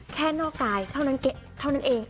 แค่นอกกายเท่านั้นเกะเท่านั้นเอง